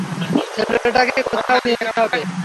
ছেলেটাকে কোথাও নিয়ে যেতে হবে।